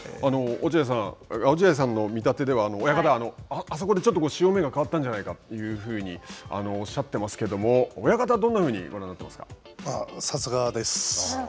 落合さん、落合さんの見立てでは、親方、あそこでちょっと潮目が変わったんじゃないかというふうにおっしゃってますけれども、親方はどんなふうにご覧になっていまさすがです。